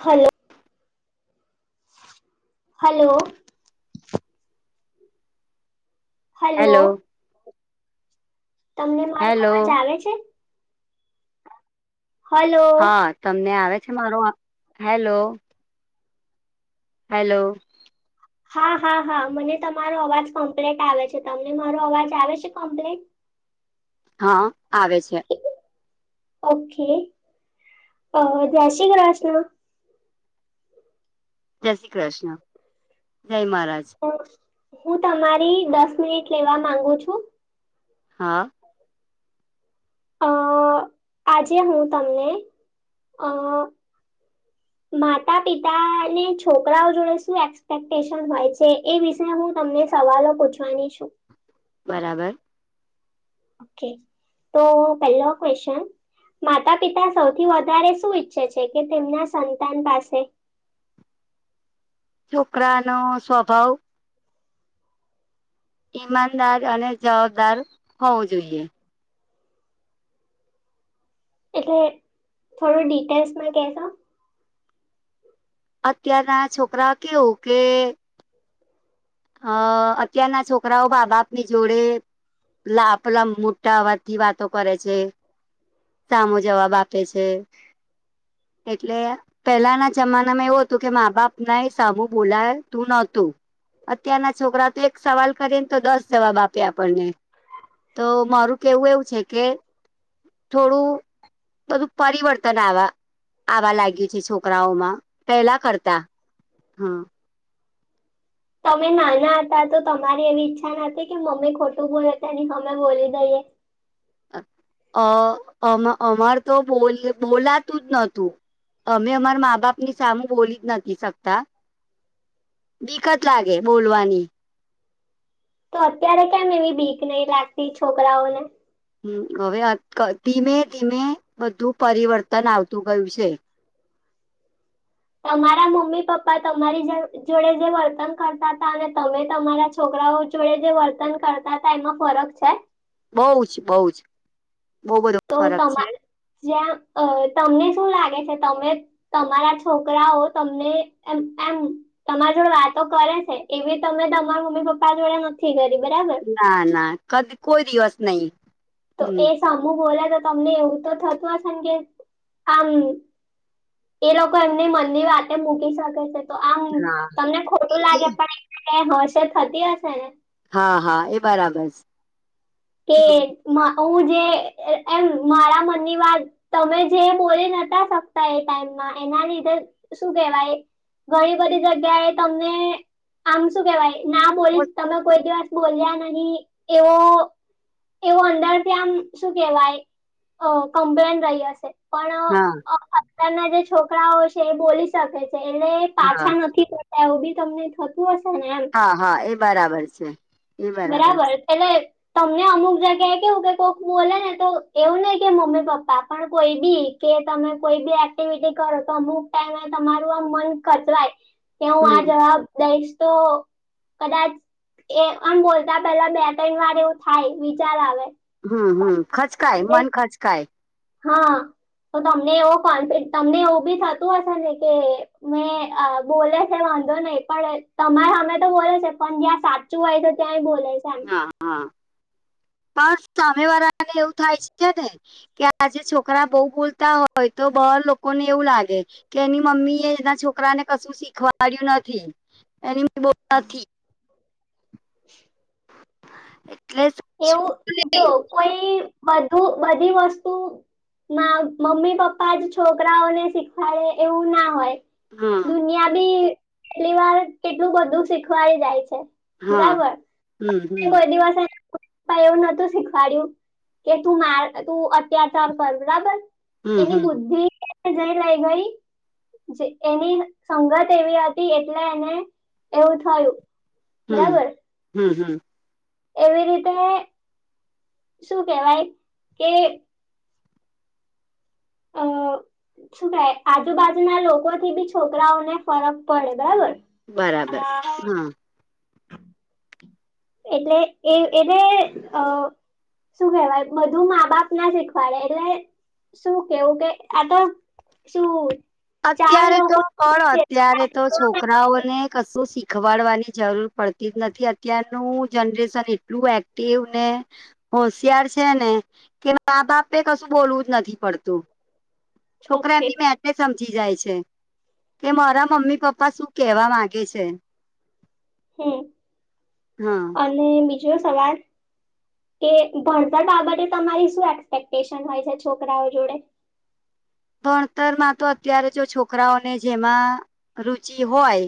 Hello hello. Hello. Hello તમને મારો hello અમાજ આવે છે. હલો હા, તમને આવે છે, મારો હેલો હેલો હા, હા, હા મને તમારો અવાજ કમ્પ્લીટ આવે છે. તમને મારો અવાજ આવે છે, કમ્પ્લીટ હા, આવે છે. ઓકે, અ જે શ્રી ક્રિષ્ના જય શ્રી કૃષ્ણ, જય મહારાજ હુ, તમારી દસ મિનિટ લેવા માંગુ છું. હા. અ આજે હું, તમને અ માતા પિતા ને છોકરાઓ જોડે શુ એક્સપેક્ટેશન હોય છે, એ વિષ હું તમને સવાલો પૂછવાની છુ. બરાબર ઓકે, તો પેલો ક્વેશચન માતા પિતા સૌથી વધારે શું ઈચ્છે છે, કે તેમના સંતાન પાસે [unintelligible] છોકરા, નો સ્વભાવ ઈમાનદાર અને જવાબદાર હોવુ, જોઈએ એટલે થોડું, ડિટેલ્સમાં કેશો અત્યારના છોકરા, કેવું કે અ અત્યારના છોકરાઓ, બા બાપ ની જોડે લ આપલા મોટા અવાજથી વાતો, કરે છે. સામો જવાબ આપે છે, એટલે પહેલાના જમાનામાં એવું હતુ, કે મા બાપના એ સામું બોલાય તુ નતુ છોકરા, એક સવાલ કરીને, તો દસ જવાબ આપે આપણને, તો મારુ કેવું એવું છે, કે થોડું, બધું પરિવર્તન આવ આવા લાગ્યું છે, છોકરાઓમા પેલા કરતા હમ [unintelligible] તમે નાના હતા. તો તમારી એવી ઈચ્છા નથી, કે મમ્મી ખોટું બોલે તેની અમે બોલી દઈએ અ અ અમાર, તો બો બોલાતું જ નતુ અમે અમાર મા, બાપની સામું બોલીજ નથી શકતા દીકત, લાગે બોલવાની તો અત્યારે કેમ એવી બીક નહી, લાગતી છોકરાઓને હમ, હવે ધીમે, ધીમે બધું પરિવર્તન આવતુ ગયુ છે. તમારા મમ્મી પપ્પા, તમારી જોડે જે વર્તન કરતા હતા, અને તમે તમારા છોક કરાઓ જોડે જે વર્તન કરતા હતા, એમાં ફરક છે. બઉ જ, બઉ જ બહુ બધો તો ફરક છે તમા જે્યા, અ તમને શું લાગે છે, તમે તમારા છોકરાઓ તમને એ એમ તમા જો વાતો કરે છે, એવી તમે તમારા મમ્મી પપ્પા જોડે નથી, ગય ના, ના કદી કોઈ દિવસ નહીિ તો એ સમૂહ બોલે, તો તમને એવુ તો થતુ હશે, ને કે આમ એ લોકો એમની મનની વાતે મૂકી શકે છે. તો આમ હા તમને ખોટુ લાગે પણ હશે, થતી હશે ને હા, હા એ બરાબર સ કે મા હું, જે એમ મારા મનની વાત, તમે જે બોલી નતા શકતા એ ટાઈમ એના લીધે શું કેહેવાય ઘણી બધી જગ્યા, એ તમને આમ શું કેવાય ના બોલીશ તમે કોઈ દિવસ બોલ્યા નહી એવો એવું અંદર ત્યા આમ શું કેવાય ક કમ્પ્લેન રહી હશે પણ હા અત્યારના જે છોકરાઓ છે એ બોલી શકે છે એટલે હા પાછા નથી પડતા એવું બી તમને થતું હશે ને એમ હા હા એ બરાબર છે એ બરાબર છે એેલે તમને અમુક જગ્યા એ કેવું કે કોક બોલે ને તો એવું નહિ કે મમ્મી પપ્પા પણ કોઈ બી એકે કે તમે કોઈ બી એક્ટિવિટી કરો તો અમુક ટાઈમે તમારું આ મન ખચવાય કે હું આ હમ જવાબ દઈશ તો કદાચ એ આમ બોલતા પેલા બે ત્રણ વાર એવું થાય વિચાર આવે હમ હમ ખચકાય એટલે મન ખચકાય હા તો તમને એવો કોન્ફ તમને એવું બી થતું હશે ને કે મેં બોલે છે વાધો નહી પણ તમારે અમે તો બોલે છે પણ જ્યાં સાચું હોય તો ત્યાં બોલે છે એમ હા હા [inaudible] પણ સામે વાર આને એવું થાય છે ને કે આજે છોકરા બહુ બોલતા હોય તો બહું ઓ લોકોને એવું લાગે કે એની મમ્મી એ એના છોકરા ને કશું શીખવાડ્યું નથી એની મમ્મી બોતાથી હ એટલે એવું જો કોઈ બઘુ બધી વસ્તુ માઉ મમ્મી પપ્પા જ છોકરાઓને શીખવાડે એવું ના હોય હા દુનિયા બી એટલી વાર કેટલું બધું શીખવાય જાય છે હા બરાબર હમ હમ કોઈ દિવસ એમ પણ એવું નતું શીખવાડય્યું કે તું મા તું અત્યાચાર કર બરાબર હમ એની હમ બુદ્ધિ જઈ લાઈ ગઈ જે એની સંગત એવી હતી એટલે એને એવું થયું હમ બરાબર હમ હમ એવી રીતે શું કેહેવાય કે એ અ અ શું કહે આજુબાજુ ના લોકો થી બી છોકરાઓને ફરક પડે બરાબર બરાબર હા એટલે એ એને અ શું કેહેવાય બધું મા બાપ ના શીખવાડે એટલે શું કેવું કે આ તો શું ચાર અત્યારે તો લોકો પણો અત્યારે તો છોકરાઓને કશું શીખ શીખવાડવાની જરૂર પડતી જ નથી અત્યારનું જનરેશન એટલું એક્ટિવ ને હોશિયાર છે ને કે મા બાપે કશું બોલવું જ નથી પડતું ઓકે છોકરાની મેતે સમજી જાય છે કે મારા મમ્મી પપ્પા શું કેવા માંગે છે હમ હા અને બીજો સવાલ કે ભણતર બાબતે તમારી શું એક્સપેક્ટેશન હોય છે છોકરાઓ જોડે [unintelligible] ભણતરમાં તો અત્યારે જો છોકરાઓને જેમાં રુચિ હોય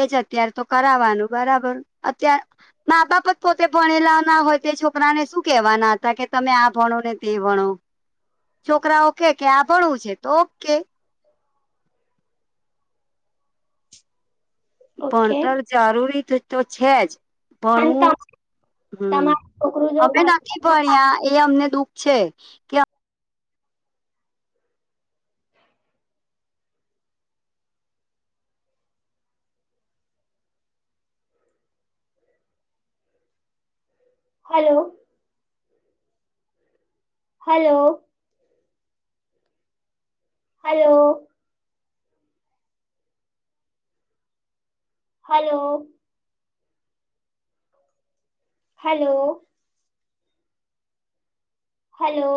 એજ અત્યારે તો કરાવાનું બરાબર અતાર મા બાપ જ પોતે ભણેલા ના હોય તે છોકરાને શું કેહેવાના હતા કે તમે આ ભણો ને તે ભણો છોકરા ઓકે કે આભળું છે તો ઓકે ઓકે ભણતર જરૂરી તો છે જ અને ભણવું તમ હમ તમારું છોકરું જો અમે નથી ભણતરમાં ભણ્યા એ અમને દુખ છે ક્યાં hello hello hello hello hello hello